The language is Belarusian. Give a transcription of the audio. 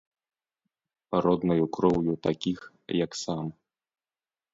Роднаю кроўю такіх, як сам.